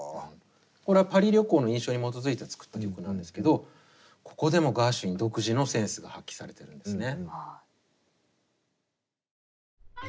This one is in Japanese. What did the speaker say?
これはパリ旅行の印象に基づいて作った曲なんですけどここでもガーシュウィン独自のセンスが発揮されてるんですね。